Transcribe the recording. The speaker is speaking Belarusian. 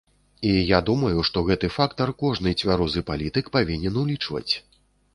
І я думаю, што гэты фактар кожны цвярозы палітык павінен улічваць.